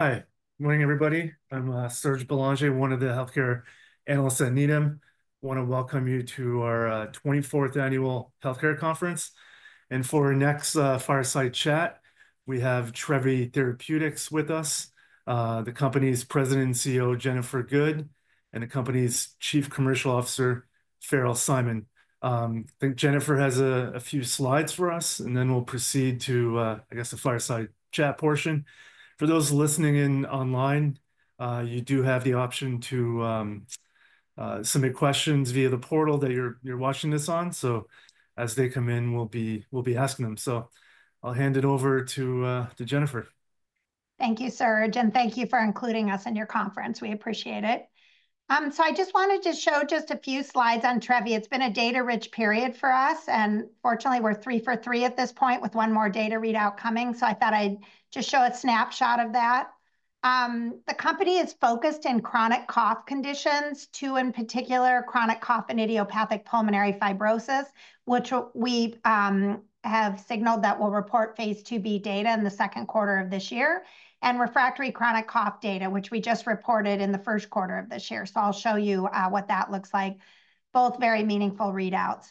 Hi, good morning, everybody. I'm Serge Belanger, one of the healthcare analysts at Needham. I want to welcome you to our 24th annual healthcare conference. For our next fireside chat, we have Trevi Therapeutics with us, the company's President and CEO, Jennifer Good, and the company's Chief Commercial Officer, Farrell Simon. I think Jennifer has a few slides for us, and then we'll proceed to, I guess, the fireside chat portion. For those listening in online, you do have the option to submit questions via the portal that you're watching this on. As they come in, we'll be asking them. I'll hand it over to Jennifer. Thank you, Serge, and thank you for including us in your conference. We appreciate it. I just wanted to show just a few slides on Trevi. It's been a data-rich period for us, and fortunately, we're three for three at this point with one more data readout coming. I thought I'd just show a snapshot of that. The company is focused in chronic cough conditions, two in particular, chronic cough and idiopathic pulmonary fibrosis, which we have signaled that we'll report phase II B data in the second quarter of this year, and refractory chronic cough data, which we just reported in the first quarter of this year. I'll show you what that looks like, both very meaningful readouts.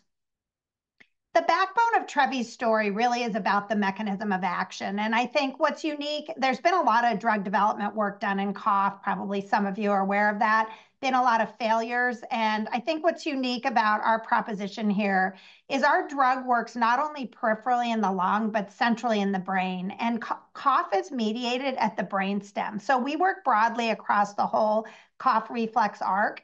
The backbone of Trevi's story really is about the mechanism of action. I think what's unique, there's been a lot of drug development work done in cough, probably some of you are aware of that, been a lot of failures. I think what's unique about our proposition here is our drug works not only peripherally in the lung, but centrally in the brain. Cough is mediated at the brainstem. We work broadly across the whole cough reflex arc.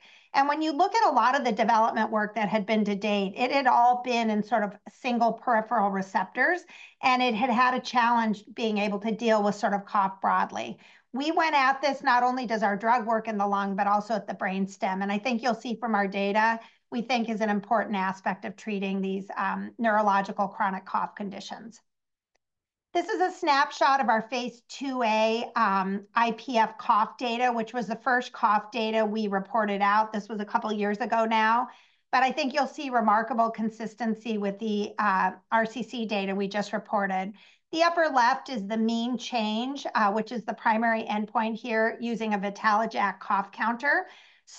When you look at a lot of the development work that had been to date, it had all been in sort of single peripheral receptors, and it had had a challenge being able to deal with sort of cough broadly. We went at this, not only does our drug work in the lung, but also at the brainstem. I think you'll see from our data, we think is an important aspect of treating these neurological chronic cough conditions. This is a snapshot of our phase II A IPF cough data, which was the first cough data we reported out. This was a couple of years ago now. I think you'll see remarkable consistency with the RCC data we just reported. The upper left is the mean change, which is the primary endpoint here using a VitaloJAK cough counter.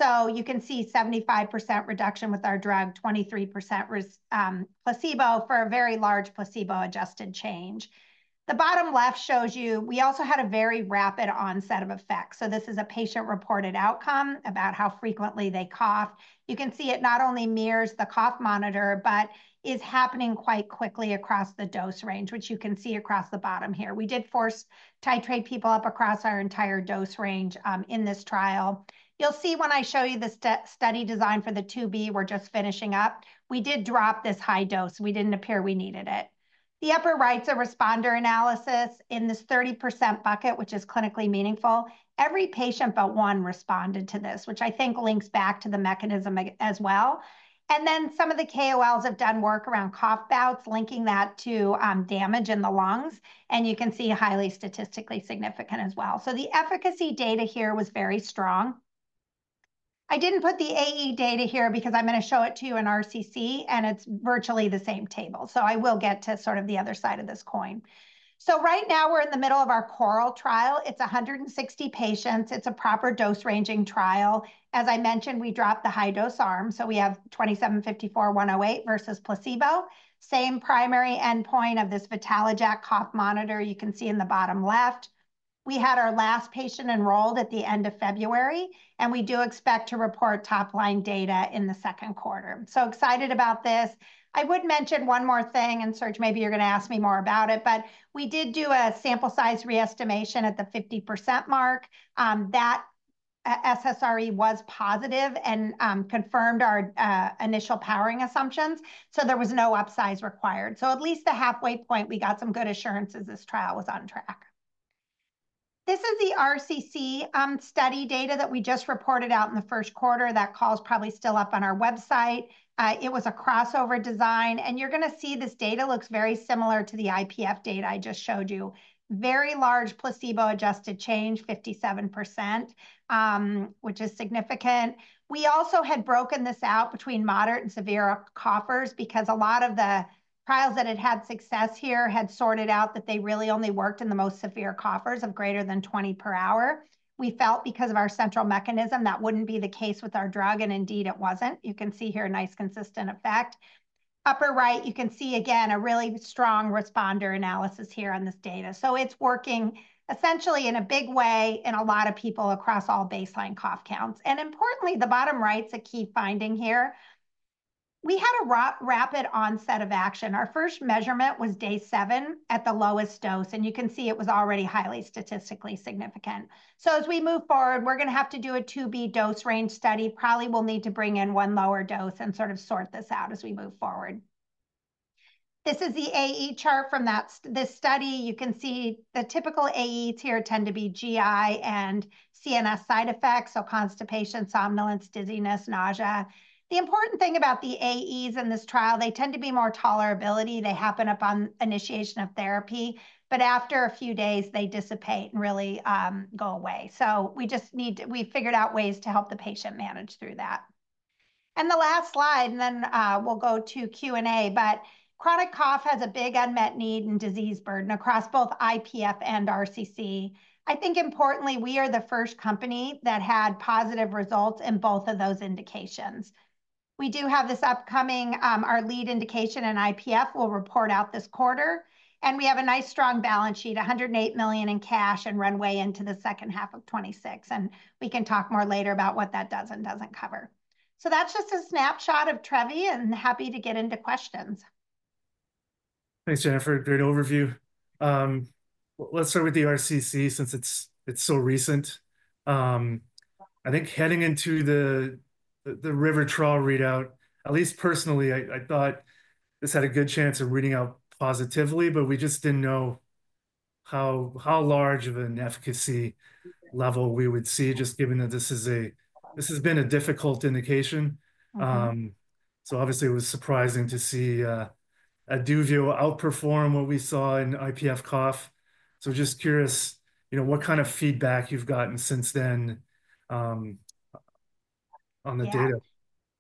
You can see 75% reduction with our drug, 23% placebo for a very large placebo-adjusted change. The bottom left shows you we also had a very rapid onset of effect. This is a patient-reported outcome about how frequently they cough. You can see it not only mirrors the cough monitor, but is happening quite quickly across the dose range, which you can see across the bottom here. We did force titrate people up across our entire dose range in this trial. You'll see when I show you this study design for the II B, we're just finishing up, we did drop this high dose. We didn't appear we needed it. The upper right's a responder analysis in this 30% bucket, which is clinically meaningful. Every patient but one responded to this, which I think links back to the mechanism as well. Some of the KOLs have done work around cough bouts, linking that to damage in the lungs. You can see highly statistically significant as well. The efficacy data here was very strong. I didn't put the AE data here because I'm going to show it to you in RCC, and it's virtually the same table. I will get to sort of the other side of this coin. Right now, we're in the middle of our CORAL trial. It's 160 patients. It's a proper dose-ranging trial. As I mentioned, we dropped the high-dose arm. We have 27, 54, 108 versus placebo. Same primary endpoint of this VitaloJAK cough monitor, you can see in the bottom left. We had our last patient enrolled at the end of February, and we do expect to report top-line data in the second quarter. Excited about this. I would mention one more thing, and Serge, maybe you're going to ask me more about it, but we did do a sample size re-estimation at the 50% mark. That SSRE was positive and confirmed our initial powering assumptions. There was no upsize required. At least at the halfway point, we got some good assurances this trial was on track. This is the RCC study data that we just reported out in the first quarter. That call is probably still up on our website. It was a crossover design. You're going to see this data looks very similar to the IPF data I just showed you. Very large placebo-adjusted change, 57%, which is significant. We also had broken this out between moderate and severe coughers because a lot of the trials that had had success here had sorted out that they really only worked in the most severe coughers of greater than 20 per hour. We felt because of our central mechanism that wouldn't be the case with our drug, and indeed it wasn't. You can see here a nice consistent effect. Upper right, you can see again a really strong responder analysis here on this data. It's working essentially in a big way in a lot of people across all baseline cough counts. Importantly, the bottom right's a key finding here. We had a rapid onset of action. Our first measurement was day seven at the lowest dose. You can see it was already highly statistically significant. As we move forward, we're going to have to do a II B dose range study. Probably we'll need to bring in one lower dose and sort this out as we move forward. This is the AE chart from this study. You can see the typical AEs here tend to be GI and CNS side effects, so constipation, somnolence, dizziness, nausea. The important thing about the AEs in this trial, they tend to be more tolerability. They happen upon initiation of therapy, but after a few days, they dissipate and really go away. We just need to, we figured out ways to help the patient manage through that. The last slide, and then we'll go to Q&A, but chronic cough has a big unmet need and disease burden across both IPF and RCC. I think importantly, we are the first company that had positive results in both of those indications. We do have this upcoming, our lead indication in IPF will report out this quarter. We have a nice strong balance sheet, $108 million in cash and runway into the second half of 2026. We can talk more later about what that does and does not cover. That is just a snapshot of Trevi and happy to get into questions. Thanks, Jennifer. Great overview. Let's start with the RCC since it's so recent. I think heading into the RIVER trial readout, at least personally, I thought this had a good chance of reading out positively, but we just didn't know how large of an efficacy level we would see just given that this has been a difficult indication. Obviously, it was surprising to see Haduvio outperform what we saw in IPF cough. Just curious, you know, what kind of feedback you've gotten since then on the data?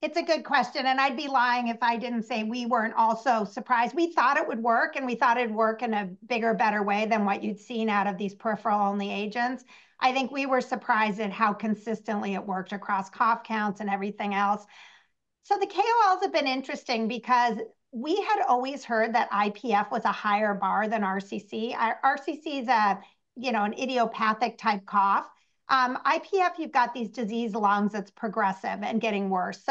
It's a good question. I'd be lying if I didn't say we weren't also surprised. We thought it would work, and we thought it'd work in a bigger, better way than what you'd seen out of these peripheral-only agents. I think we were surprised at how consistently it worked across cough counts and everything else. The KOLs have been interesting because we had always heard that IPF was a higher bar than RCC. RCC is an idiopathic type cough. IPF, you've got these diseased lungs that's progressive and getting worse.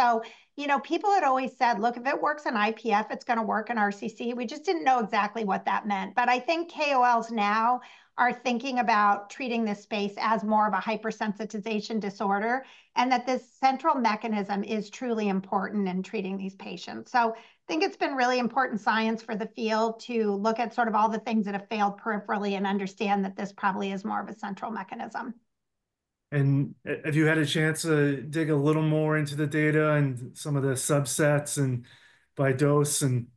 People had always said, "Look, if it works in IPF, it's going to work in RCC." We just didn't know exactly what that meant. I think KOLs now are thinking about treating this space as more of a hypersensitization disorder and that this central mechanism is truly important in treating these patients. I think it's been really important science for the field to look at sort of all the things that have failed peripherally and understand that this probably is more of a central mechanism. Have you had a chance to dig a little more into the data and some of the subsets and by dose? I am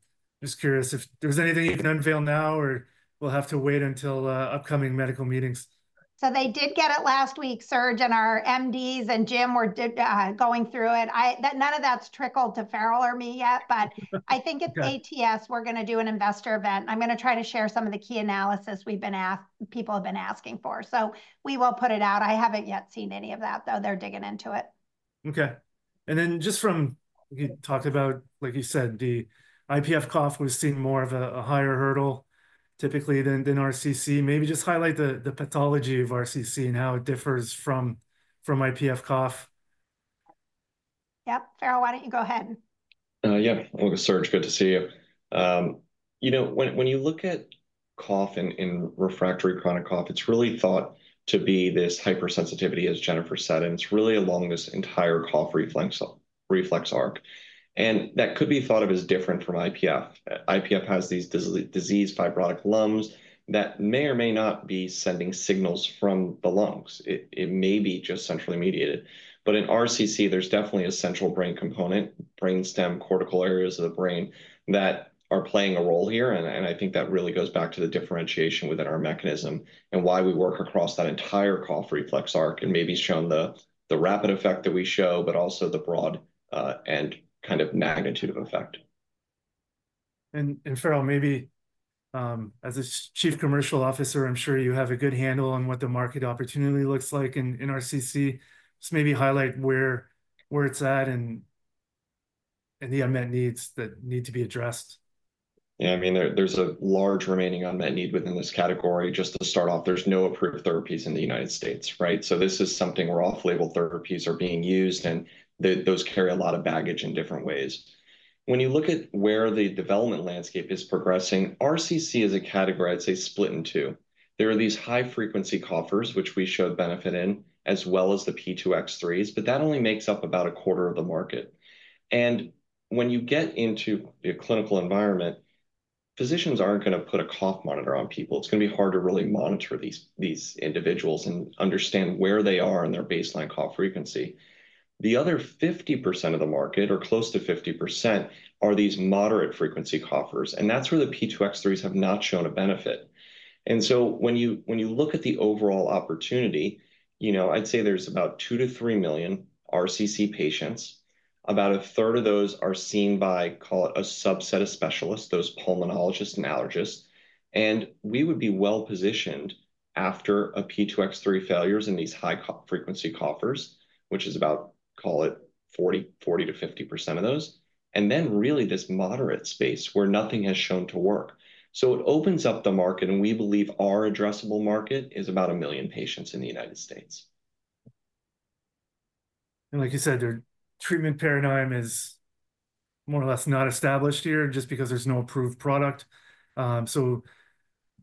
just curious if there is anything you can unveil now or we will have to wait until upcoming medical meetings. They did get it last week, Serge, and our MDs and Jim were going through it. None of that's trickled to Farrell or me yet, but I think at ATS, we're going to do an investor event. I'm going to try to share some of the key analysis people have been asking for. We will put it out. I haven't yet seen any of that, though. They're digging into it. Okay. We talked about, like you said, the IPF cough was seen more of a higher hurdle typically than RCC. Maybe just highlight the pathology of RCC and how it differs from IPF cough. Yep. Farrell, why don't you go ahead? Yeah. I'm Serge. Good to see you. You know, when you look at cough and refractory chronic cough, it's really thought to be this hypersensitivity, as Jennifer said, and it's really along this entire cough reflex arc. That could be thought of as different from IPF. IPF has these diseased fibrotic lungs that may or may not be sending signals from the lungs. It may be just centrally mediated. In RCC, there's definitely a central brain component, brainstem, cortical areas of the brain that are playing a role here. I think that really goes back to the differentiation within our mechanism and why we work across that entire cough reflex arc and maybe shown the rapid effect that we show, but also the broad and kind of magnitude of effect. Farrell, maybe as Chief Commercial Officer, I'm sure you have a good handle on what the market opportunity looks like in RCC. Just maybe highlight where it's at and the unmet needs that need to be addressed. Yeah, I mean, there's a large remaining unmet need within this category. Just to start off, there's no approved therapies in the U.S., right? This is something where off-label therapies are being used, and those carry a lot of baggage in different ways. When you look at where the development landscape is progressing, RCC is a category, I'd say, split in two. There are these high-frequency coughers, which we showed benefit in, as well as the P2X3s, but that only makes up about a quarter of the market. When you get into a clinical environment, physicians aren't going to put a cough monitor on people. It's going to be hard to really monitor these individuals and understand where they are in their baseline cough frequency. The other 50% of the market, or close to 50%, are these moderate-frequency coughers. That's where the P2X3s have not shown a benefit. When you look at the overall opportunity, you know, I'd say there's about 2-3 million RCC patients. About a third of those are seen by, call it a subset of specialists, those pulmonologists and allergists. We would be well-positioned after a P2X3 failures in these high-frequency coughers, which is about, call it 40-50% of those, and then really this moderate space where nothing has shown to work. It opens up the market, and we believe our addressable market is about 1 million patients in the United States. Like you said, their treatment paradigm is more or less not established here just because there's no approved product.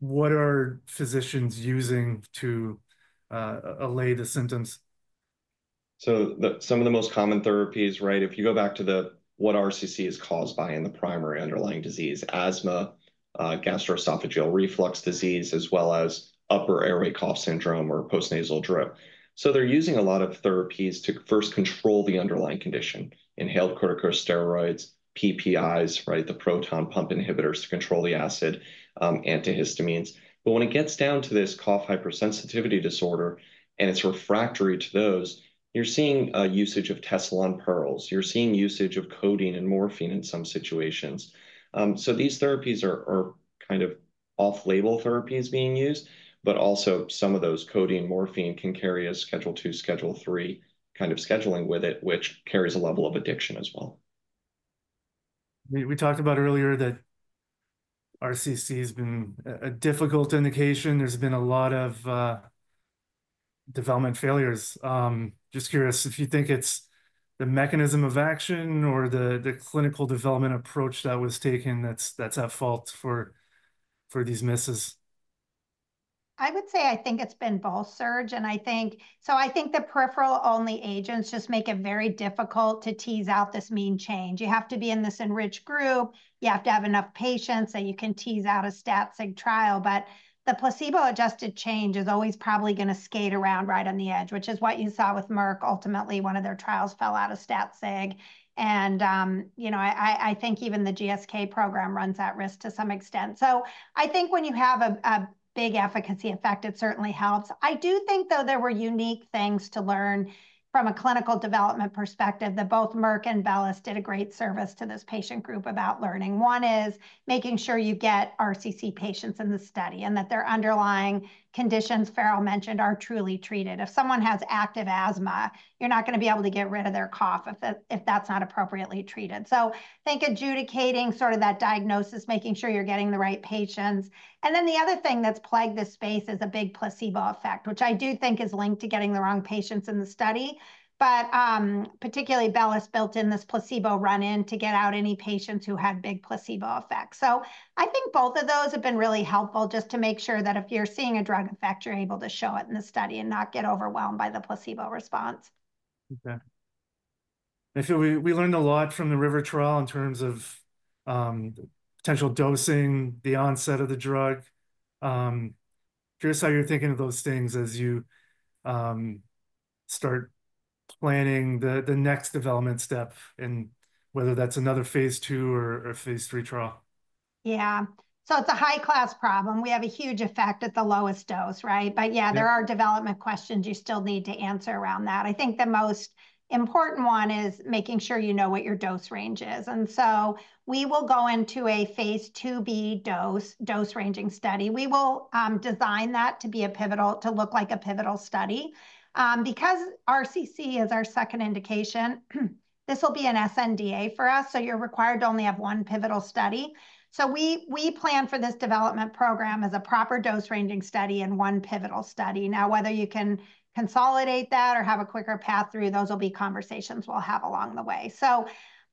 What are physicians using to allay the symptoms? Some of the most common therapies, right, if you go back to what RCC is caused by in the primary underlying disease, asthma, gastroesophageal reflux disease, as well as upper airway cough syndrome or postnasal drip. They're using a lot of therapies to first control the underlying condition, inhaled corticosteroids, PPIs, right, the proton pump inhibitors to control the acid, antihistamines. When it gets down to this cough hypersensitivity disorder and it's refractory to those, you're seeing usage of Tessalon Perles. You're seeing usage of codeine and morphine in some situations. These therapies are kind of off-label therapies being used, but also some of those codeine, morphine can carry a schedule two, schedule three kind of scheduling with it, which carries a level of addiction as well. We talked about earlier that RCC has been a difficult indication. There's been a lot of development failures. Just curious if you think it's the mechanism of action or the clinical development approach that was taken that's at fault for these misses. I would say I think it's been both, Serge. I think the peripheral-only agents just make it very difficult to tease out this mean change. You have to be in this enriched group. You have to have enough patients that you can tease out a stat-sig trial. The placebo-adjusted change is always probably going to skate around right on the edge, which is what you saw with Merck. Ultimately, one of their trials fell out of stat-sig. You know, I think even the GSK program runs at risk to some extent. I think when you have a big efficacy effect, it certainly helps. I do think, though, there were unique things to learn from a clinical development perspective that both Merck and Bellus did a great service to this patient group about learning. One is making sure you get RCC patients in the study and that their underlying conditions, Farrell mentioned, are truly treated. If someone has active asthma, you're not going to be able to get rid of their cough if that's not appropriately treated. I think adjudicating sort of that diagnosis, making sure you're getting the right patients. The other thing that's plagued this space is a big placebo effect, which I do think is linked to getting the wrong patients in the study, but particularly Bellus built in this placebo run-in to get out any patients who had big placebo effects. I think both of those have been really helpful just to make sure that if you're seeing a drug effect, you're able to show it in the study and not get overwhelmed by the placebo response. Okay. Actually, we learned a lot from the River Trial in terms of potential dosing, the onset of the drug. Curious how you're thinking of those things as you start planning the next development step and whether that's another phase II or phase III trial. Yeah. It is a high-class problem. We have a huge effect at the lowest dose, right? There are development questions you still need to answer around that. I think the most important one is making sure you know what your dose range is. We will go into a phase II B dose ranging study. We will design that to look like a pivotal study. Because RCC is our second indication, this will be an sNDA for us. You are required to only have one pivotal study. We plan for this development program as a proper dose ranging study and one pivotal study. Now, whether you can consolidate that or have a quicker path through, those will be conversations we will have along the way.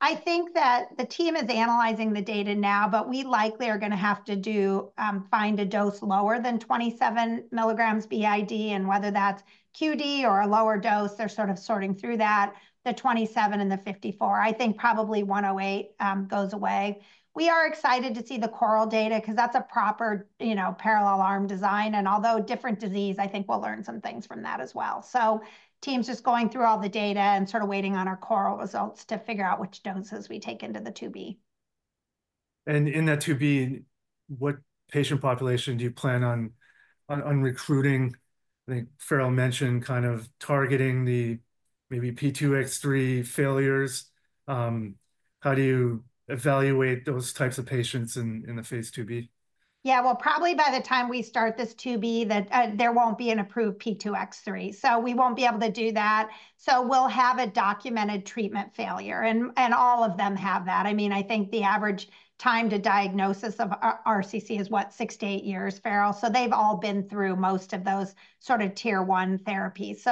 I think that the team is analyzing the data now, but we likely are going to have to find a dose lower than 27 milligrams b.i.d. Whether that's QD or a lower dose, they're sort of sorting through that, the 27 and the 54. I think probably 108 goes away. We are excited to see the coral data because that's a proper parallel arm design. Although different disease, I think we'll learn some things from that as well. Team's just going through all the data and sort of waiting on our coral results to figure out which doses we take into the II B. In that II B, what patient population do you plan on recruiting? I think Farrell mentioned kind of targeting the maybe P2X3 failures. How do you evaluate those types of patients in the phase II B? Yeah, probably by the time we start this II B, there won't be an approved P2X3. We won't be able to do that. We'll have a documented treatment failure. All of them have that. I mean, I think the average time to diagnosis of RCC is what, six to eight years, Farrell? They've all been through most of those sort of tier one therapies.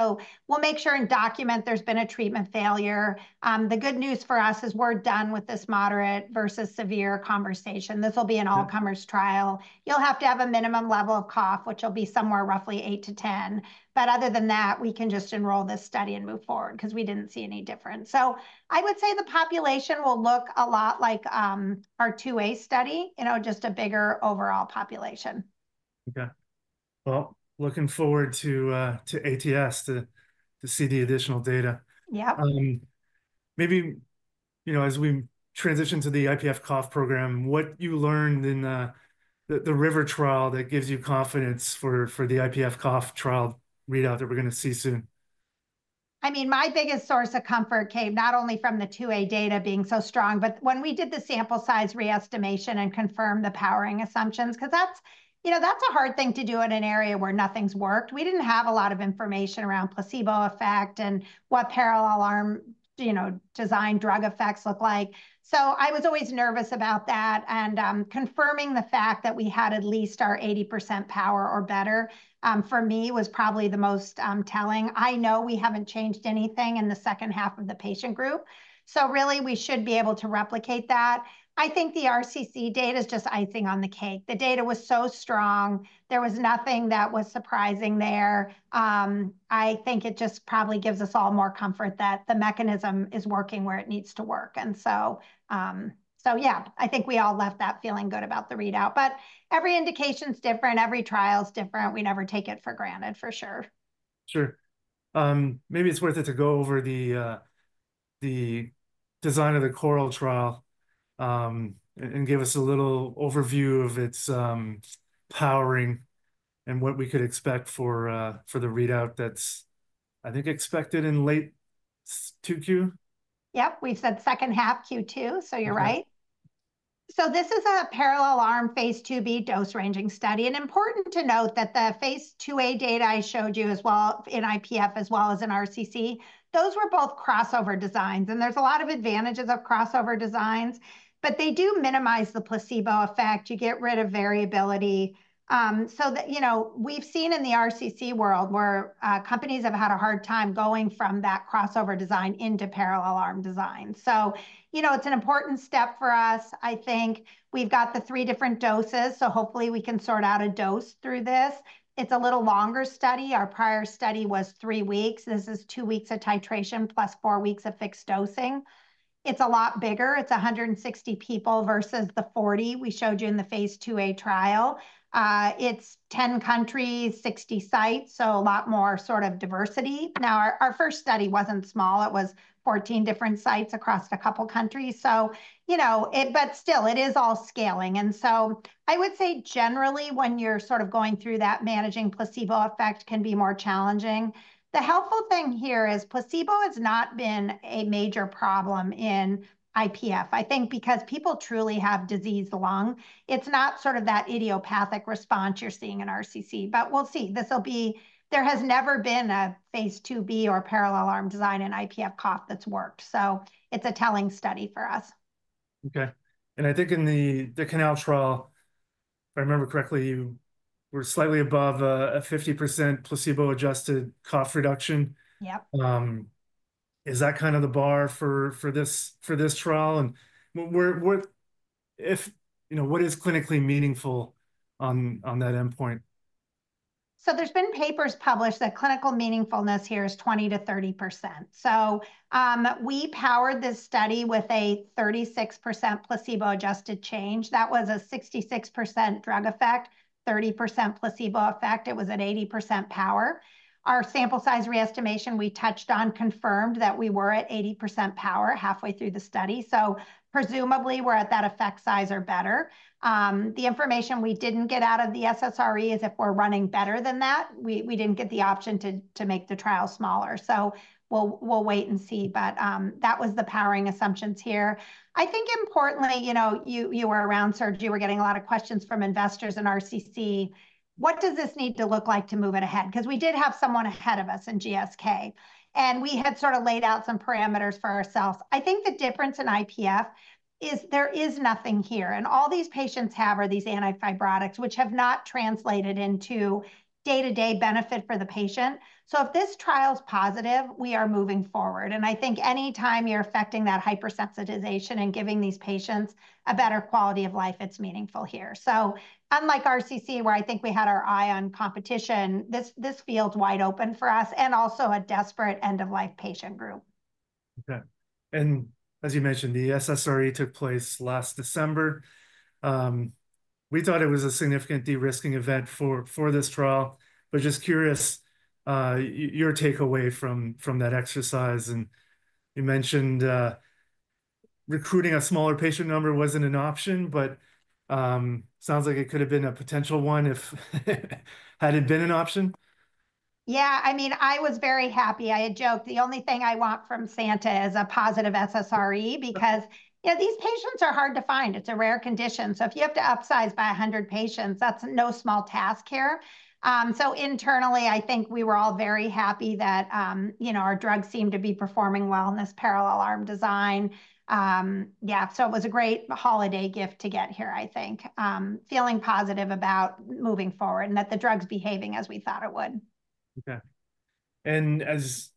We'll make sure and document there's been a treatment failure. The good news for us is we're done with this moderate versus severe conversation. This will be an all-comers trial. You'll have to have a minimum level of cough, which will be somewhere roughly 8-10. Other than that, we can just enroll this study and move forward because we didn't see any difference. I would say the population will look a lot like our II A study, you know, just a bigger overall population. Okay. Looking forward to ATS to see the additional data. Yep. Maybe, you know, as we transition to the IPF cough program, what you learned in the River Trial that gives you confidence for the IPF cough trial readout that we're going to see soon? I mean, my biggest source of comfort came not only from the II A data being so strong, but when we did the sample size re-estimation and confirmed the powering assumptions, because that's, you know, that's a hard thing to do in an area where nothing's worked. We didn't have a lot of information around placebo effect and what parallel arm design drug effects look like. I was always nervous about that. Confirming the fact that we had at least our 80% power or better for me was probably the most telling. I know we haven't changed anything in the second half of the patient group. Really, we should be able to replicate that. I think the RCC data is just icing on the cake. The data was so strong. There was nothing that was surprising there. I think it just probably gives us all more comfort that the mechanism is working where it needs to work. Yeah, I think we all left that feeling good about the readout. Every indication's different. Every trial's different. We never take it for granted, for sure. Sure. Maybe it's worth it to go over the design of the CORAL trial and give us a little overview of its powering and what we could expect for the readout that's, I think, expected in late Q2. Yep. We said second half Q2, so you're right. This is a parallel arm phase 2B dose ranging study. Important to note that the phase II A data I showed you as well in IPF as well as in RCC, those were both crossover designs. There's a lot of advantages of crossover designs, but they do minimize the placebo effect. You get rid of variability. You know, we've seen in the RCC world where companies have had a hard time going from that crossover design into parallel arm design. You know, it's an important step for us. I think we've got the three different doses, so hopefully we can sort out a dose through this. It's a little longer study. Our prior study was three weeks. This is two weeks of titration plus four weeks of fixed dosing. It's a lot bigger. It's 160 people versus the 40 we showed you in the phase II A trial. It's 10 countries, 60 sites, so a lot more sort of diversity. Now, our first study wasn't small. It was 14 different sites across a couple of countries. You know, but still, it is all scaling. I would say generally when you're sort of going through that, managing placebo effect can be more challenging. The helpful thing here is placebo has not been a major problem in IPF, I think, because people truly have disease long. It's not sort of that idiopathic response you're seeing in RCC, but we'll see. There has never been a phase II B or parallel arm design in IPF cough that's worked. It's a telling study for us. Okay. I think in the CANAL trial, if I remember correctly, you were slightly above a 50% placebo-adjusted cough reduction. Yep. Is that kind of the bar for this trial? And if, you know, what is clinically meaningful on that endpoint? There have been papers published that clinical meaningfulness here is 20-30%. We powered this study with a 36% placebo-adjusted change. That was a 66% drug effect, 30% placebo effect. It was at 80% power. Our sample size re-estimation we touched on confirmed that we were at 80% power halfway through the study. Presumably we are at that effect size or better. The information we did not get out of the SSRE is if we are running better than that. We did not get the option to make the trial smaller. We will wait and see. That was the powering assumptions here. I think importantly, you know, you were around, Serge. You were getting a lot of questions from investors in RCC. What does this need to look like to move it ahead? Because we did have someone ahead of us in GSK. We had sort of laid out some parameters for ourselves. I think the difference in IPF is there is nothing here. All these patients have are these antifibrotics, which have not translated into day-to-day benefit for the patient. If this trial's positive, we are moving forward. I think anytime you're affecting that hypersensitization and giving these patients a better quality of life, it's meaningful here. Unlike RCC, where I think we had our eye on competition, this feels wide open for us and also a desperate end-of-life patient group. Okay. As you mentioned, the SSRE took place last December. We thought it was a significant de-risking event for this trial, but just curious your takeaway from that exercise. You mentioned recruiting a smaller patient number was not an option, but it sounds like it could have been a potential one if it had not been an option. Yeah. I mean, I was very happy. I had joked, the only thing I want from Santa is a positive SSRE because, you know, these patients are hard to find. It's a rare condition. If you have to upsize by 100 patients, that's no small task here. Internally, I think we were all very happy that, you know, our drug seems to be performing well in this parallel arm design. Yeah. It was a great holiday gift to get here, I think, feeling positive about moving forward and that the drug's behaving as we thought it would. Okay. As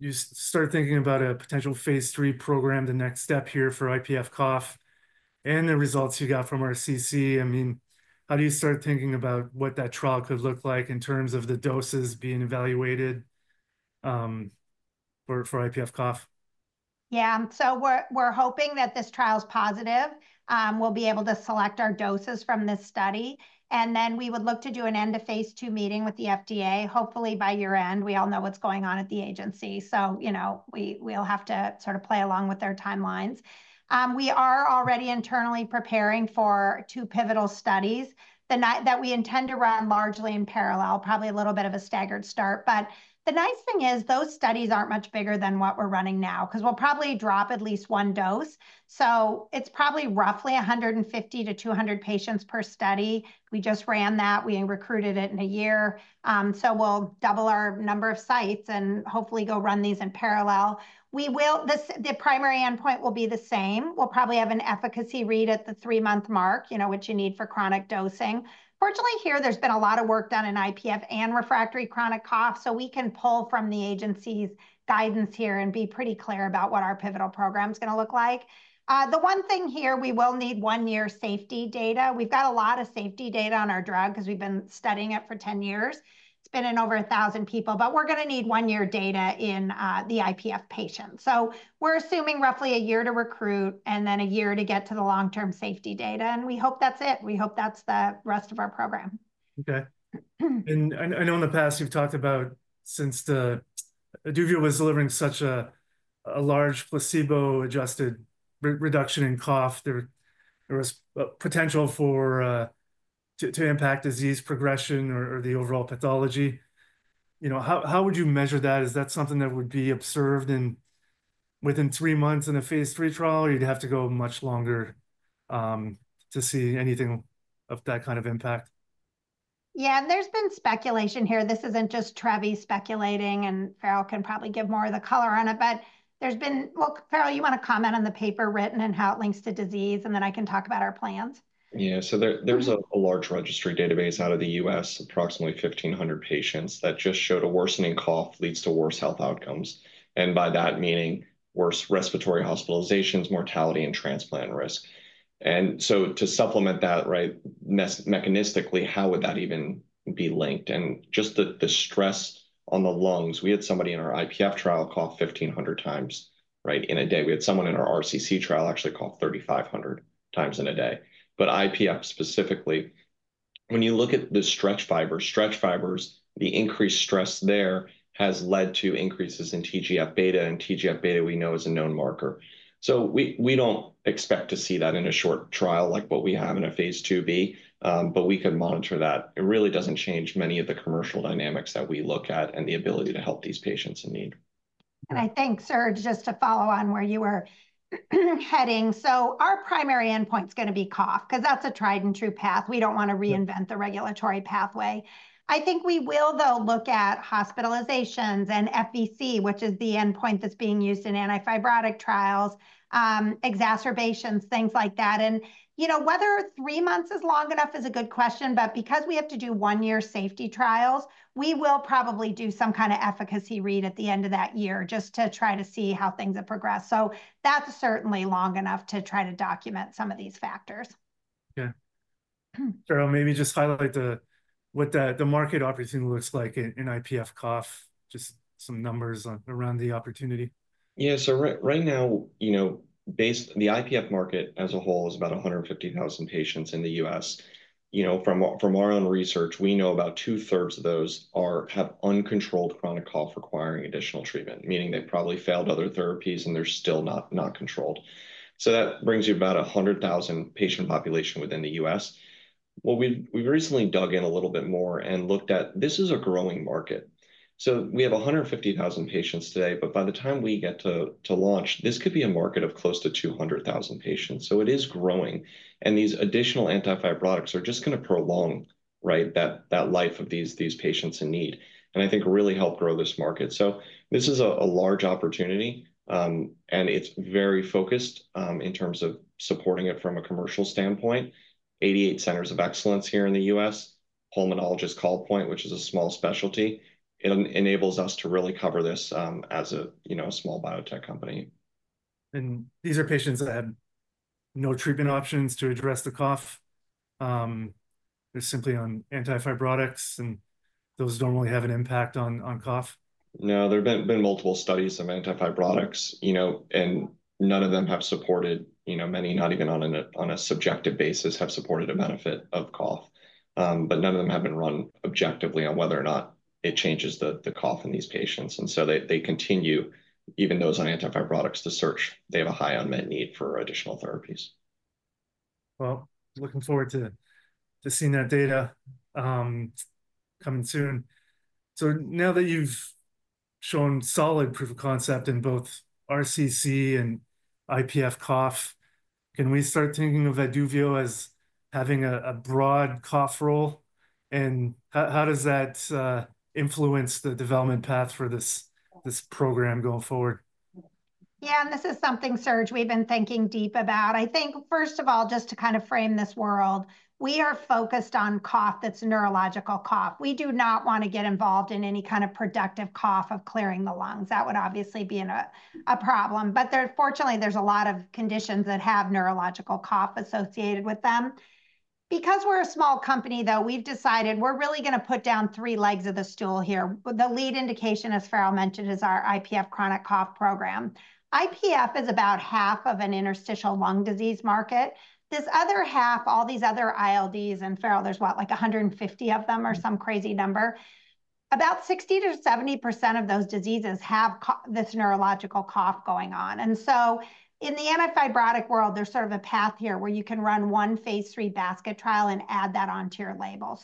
you start thinking about a potential phase III program, the next step here for IPF cough and the results you got from RCC, I mean, how do you start thinking about what that trial could look like in terms of the doses being evaluated for IPF cough? Yeah. So we're hoping that this trial's positive. We'll be able to select our doses from this study. Then we would look to do an end-of-phase two meeting with the FDA, hopefully by year-end. We all know what's going on at the agency. So, you know, we'll have to sort of play along with their timelines. We are already internally preparing for two pivotal studies that we intend to run largely in parallel, probably a little bit of a staggered start. The nice thing is those studies aren't much bigger than what we're running now because we'll probably drop at least one dose. So it's probably roughly 150-200 patients per study. We just ran that. We recruited it in a year. We'll double our number of sites and hopefully go run these in parallel. The primary endpoint will be the same. We'll probably have an efficacy read at the three-month mark, you know, which you need for chronic dosing. Fortunately, here, there's been a lot of work done in IPF and refractory chronic cough, so we can pull from the agency's guidance here and be pretty clear about what our pivotal program's going to look like. The one thing here, we will need one-year safety data. We've got a lot of safety data on our drug because we've been studying it for 10 years. It's been in over 1,000 people, but we're going to need one-year data in the IPF patients. We are assuming roughly a year to recruit and then a year to get to the long-term safety data. We hope that's it. We hope that's the rest of our program. Okay. I know in the past you've talked about since the Haduvio was delivering such a large placebo-adjusted reduction in cough, there was potential to impact disease progression or the overall pathology. You know, how would you measure that? Is that something that would be observed within three months in a phase 3 trial, or you'd have to go much longer to see anything of that kind of impact? Yeah. There's been speculation here. This isn't just Trevi speculating, and Farrell can probably give more of the color on it. There's been, Farrell, you want to comment on the paper written and how it links to disease, and then I can talk about our plans. Yeah. There is a large registry database out of the U.S., approximately 1,500 patients, that just showed a worsening cough leads to worse health outcomes. By that meaning, worse respiratory hospitalizations, mortality, and transplant risk. To supplement that, right, mechanistically, how would that even be linked? Just the stress on the lungs. We had somebody in our IPF trial cough 1,500 times in a day. We had someone in our RCC trial actually cough 3,500 times in a day. IPF specifically, when you look at the stretch fibers, the increased stress there has led to increases in TGF-β, and TGF-β we know is a known marker. We do not expect to see that in a short trial like what we have in a phase II B, but we can monitor that. It really doesn't change many of the commercial dynamics that we look at and the ability to help these patients in need. I think, Serge, just to follow on where you were heading, our primary endpoint's going to be cough because that's a tried-and-true path. We don't want to reinvent the regulatory pathway. I think we will, though, look at hospitalizations and FVC, which is the endpoint that's being used in antifibrotic trials, exacerbations, things like that. You know, whether three months is long enough is a good question, but because we have to do one-year safety trials, we will probably do some kind of efficacy read at the end of that year just to try to see how things have progressed. That's certainly long enough to try to document some of these factors. Okay. Farrell, maybe just highlight what the market obviously looks like in IPF cough, just some numbers around the opportunity. Yeah. So right now, you know, the IPF market as a whole is about 150,000 patients in the U.S. You know, from our own research, we know about two-thirds of those have uncontrolled chronic cough requiring additional treatment, meaning they've probably failed other therapies and they're still not controlled. So that brings you about 100,000 patient population within the U.S. We've recently dug in a little bit more and looked at this is a growing market. We have 150,000 patients today, but by the time we get to launch, this could be a market of close to 200,000 patients. It is growing. These additional antifibrotics are just going to prolong, right, that life of these patients in need. I think really help grow this market. This is a large opportunity, and it's very focused in terms of supporting it from a commercial standpoint. Eighty-eight centers of excellence here in the U.S., pulmonologist call point, which is a small specialty, enables us to really cover this as a, you know, a small biotech company. These are patients that have no treatment options to address the cough. They're simply on antifibrotics, and those normally have an impact on cough? No, there have been multiple studies of antifibrotics, you know, and none of them have supported, you know, many, not even on a subjective basis, have supported a benefit of cough. None of them have been run objectively on whether or not it changes the cough in these patients. They continue, even those on antifibrotics, to search. They have a high unmet need for additional therapies. Looking forward to seeing that data coming soon. Now that you've shown solid proof of concept in both RCC and IPF cough, can we start thinking of Haduvio as having a broad cough role? How does that influence the development path for this program going forward? Yeah. This is something, Serge, we've been thinking deep about. I think, first of all, just to kind of frame this world, we are focused on cough that's neurological cough. We do not want to get involved in any kind of productive cough of clearing the lungs. That would obviously be a problem. Fortunately, there's a lot of conditions that have neurological cough associated with them. Because we're a small company, though, we've decided we're really going to put down three legs of the stool here. The lead indication, as Farrell mentioned, is our IPF chronic cough program. IPF is about half of an interstitial lung disease market. This other half, all these other ILDs, and Farrell, there's what, like 150 of them or some crazy number, about 60-70% of those diseases have this neurological cough going on. In the antifibrotic world, there's sort of a path here where you can run one phase 3 basket trial and add that onto your label.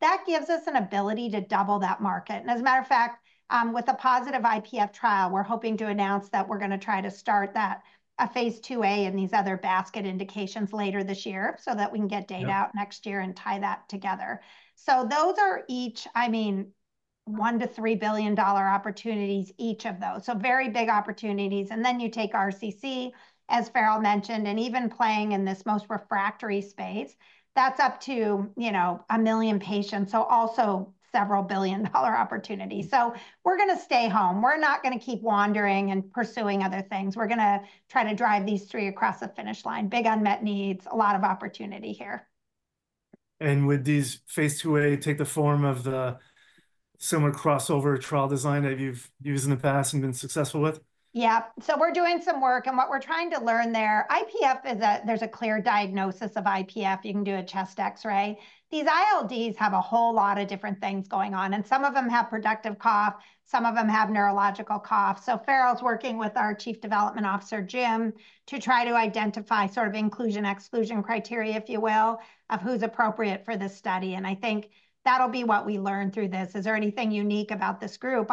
That gives us an ability to double that market. As a matter of fact, with a positive IPF trial, we're hoping to announce that we're going to try to start that phase II A and these other basket indications later this year so that we can get data out next year and tie that together. Those are each, I mean, $1 billion-$3 billion opportunities, each of those. Very big opportunities. You take RCC, as Farrell mentioned, and even playing in this most refractory space, that's up to, you know, 1 million patients. Also several billion dollar opportunities. We're going to stay home. We're not going to keep wandering and pursuing other things. We're going to try to drive these three across the finish line. Big unmet needs, a lot of opportunity here. Would these phase II A take the form of the similar crossover trial design that you've used in the past and been successful with? Yeah. We're doing some work. What we're trying to learn there, IPF is that there's a clear diagnosis of IPF. You can do a chest X-ray. These ILDs have a whole lot of different things going on. Some of them have productive cough. Some of them have neurological cough. Farrell's working with our Chief Development Officer, Jim, to try to identify sort of inclusion-exclusion criteria, if you will, of who's appropriate for this study. I think that'll be what we learn through this. Is there anything unique about this group?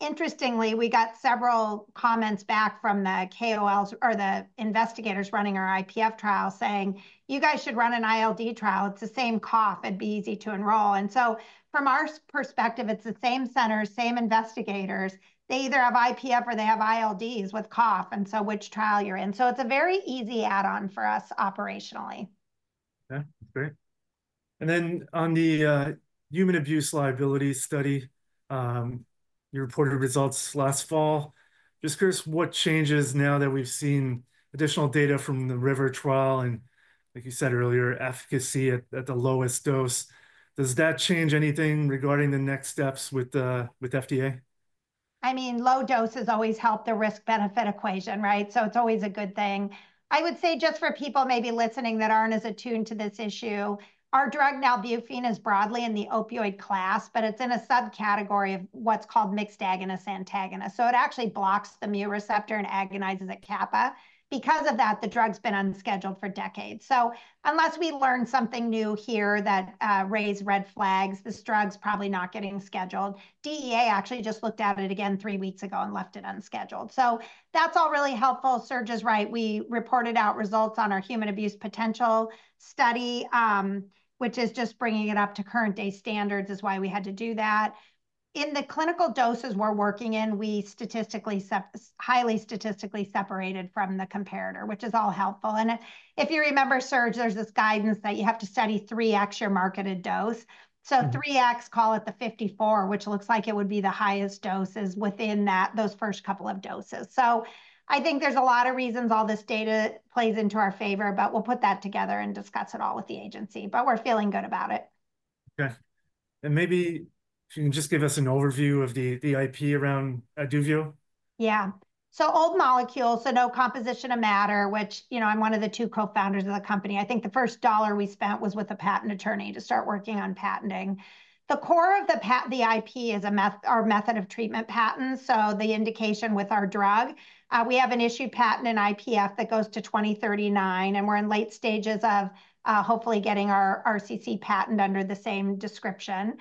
Interestingly, we got several comments back from the KOLs or the investigators running our IPF trial saying, "You guys should run an ILD trial. It's the same cough. It'd be easy to enroll." From our perspective, it's the same centers, same investigators. They either have IPF or they have ILDs with cough. Which trial you're in. So it's a very easy add-on for us operationally. Okay. That's great. On the human abuse liability study, you reported results last fall. Just curious, what changes now that we've seen additional data from the RIVER trial and, like you said earlier, efficacy at the lowest dose? Does that change anything regarding the next steps with FDA? I mean, low dose has always helped the risk-benefit equation, right? It is always a good thing. I would say just for people maybe listening that are not as attuned to this issue, our drug now, Haduvio, is broadly in the opioid class, but it is in a subcategory of what is called mixed agonist antagonist. It actually blocks the mu receptor and agonizes at kappa. Because of that, the drug has been unscheduled for decades. Unless we learn something new here that raised red flags, this drug is probably not getting scheduled. DEA actually just looked at it again three weeks ago and left it unscheduled. That is all really helpful. Serge is right. We reported out results on our human abuse potential study, which is just bringing it up to current-day standards, which is why we had to do that. In the clinical doses we're working in, we statistically, highly statistically separated from the comparator, which is all helpful. If you remember, Serge, there's this guidance that you have to study 3X your marketed dose. 3X, call it the 54, which looks like it would be the highest doses within those first couple of doses. I think there's a lot of reasons all this data plays into our favor, but we'll put that together and discuss it all with the agency. We're feeling good about it. Okay. Maybe you can just give us an overview of the IP around Haduvio. Yeah. So old molecules, so no composition of matter, which, you know, I'm one of the two co-founders of the company. I think the first dollar we spent was with a patent attorney to start working on patenting. The core of the IP is our method of treatment patent. So the indication with our drug, we have an issued patent in IPF that goes to 2039, and we're in late stages of hopefully getting our RCC patent under the same description.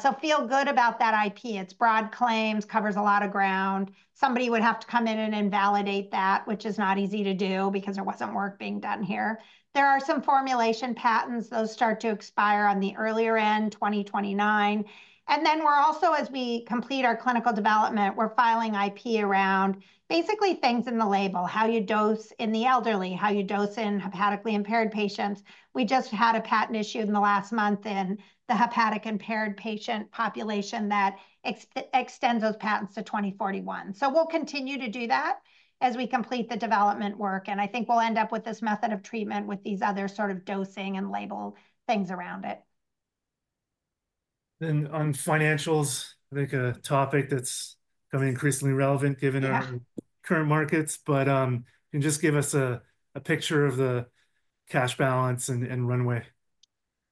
So feel good about that IP. It's broad claims, covers a lot of ground. Somebody would have to come in and invalidate that, which is not easy to do because there wasn't work being done here. There are some formulation patents. Those start to expire on the earlier end, 2029. We're also, as we complete our clinical development, filing IP around basically things in the label, how you dose in the elderly, how you dose in hepatically impaired patients. We just had a patent issue in the last month in the hepatic impaired patient population that extends those patents to 2041. We'll continue to do that as we complete the development work. I think we'll end up with this method of treatment with these other sort of dosing and label things around it. On financials, I think a topic that's becoming increasingly relevant given our current markets, but can you just give us a picture of the cash balance and runway?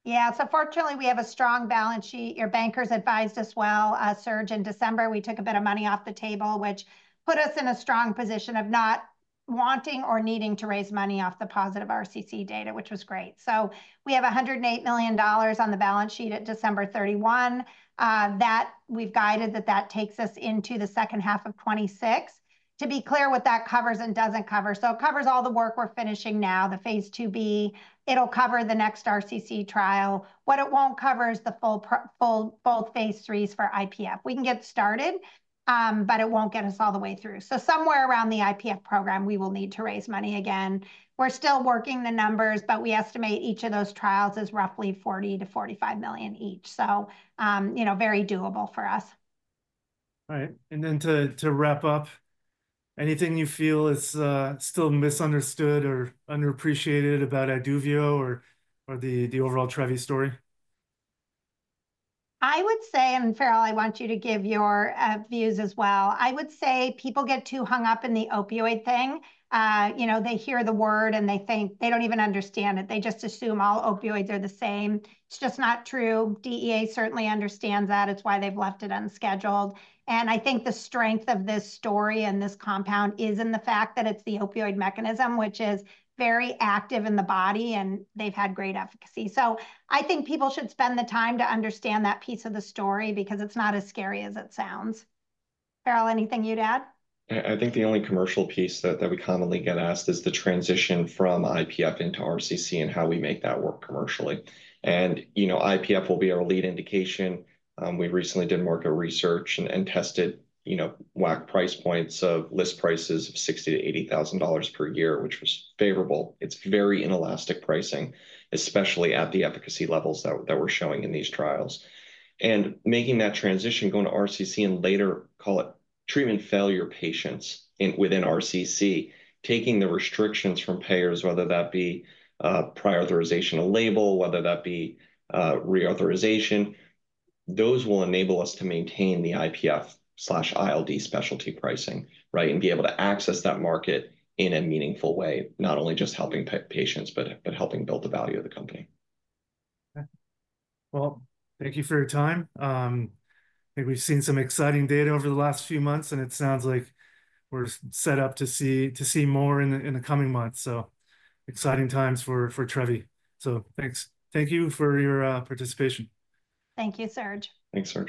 Yeah. Fortunately, we have a strong balance sheet. Your bankers advised us well, Serge. In December, we took a bit of money off the table, which put us in a strong position of not wanting or needing to raise money off the positive RCC data, which was great. We have $108 million on the balance sheet at December 31. We have guided that that takes us into the second half of 2026. To be clear what that covers and does not cover. It covers all the work we are finishing now, the phase II B. It will cover the next RCC trial. What it will not cover is the full both phase threes for IPF. We can get started, but it will not get us all the way through. Somewhere around the IPF program, we will need to raise money again. We're still working the numbers, but we estimate each of those trials is roughly $40 million-$45 million each. You know, very doable for us. All right. To wrap up, anything you feel is still misunderstood or underappreciated about Haduvio or the overall Trevi story? I would say, and Farrell, I want you to give your views as well. I would say people get too hung up in the opioid thing. You know, they hear the word and they think they don't even understand it. They just assume all opioids are the same. It's just not true. DEA certainly understands that. It's why they've left it unscheduled. I think the strength of this story and this compound is in the fact that it's the opioid mechanism, which is very active in the body, and they've had great efficacy. I think people should spend the time to understand that piece of the story because it's not as scary as it sounds. Farrell, anything you'd add? I think the only commercial piece that we commonly get asked is the transition from IPF into RCC and how we make that work commercially. You know, IPF will be our lead indication. We recently did market research and tested, you know, WAC price points of list prices of $60,000-$80,000 per year, which was favorable. It's very inelastic pricing, especially at the efficacy levels that we're showing in these trials. Making that transition, going to RCC and later call it treatment failure patients within RCC, taking the restrictions from payers, whether that be prior authorization of label, whether that be reauthorization, those will enable us to maintain the IPF/ILD specialty pricing, right, and be able to access that market in a meaningful way, not only just helping patients, but helping build the value of the company. Thank you for your time. I think we've seen some exciting data over the last few months, and it sounds like we're set up to see more in the coming months. Exciting times for Trevi. Thanks. Thank you for your participation. Thank you, Serge. Thanks, Serge.